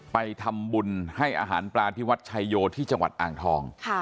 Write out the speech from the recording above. ไปทำบุญให้อาหารปลาที่วัดชายโยที่จังหวัดอ่างทอง